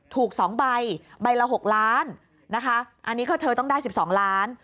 ถูก๒ใบใบละ๖ล้านนะคะอันนี้ก็เธอต้องได้๑๒ล้าน